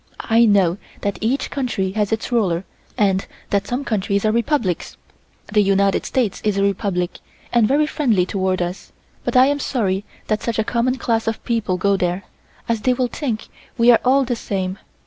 I know that each country has its ruler and that some countries are republics. The United States is a republic and very friendly toward us, but I am sorry that such a common class of people go there, as they will think we are all the same.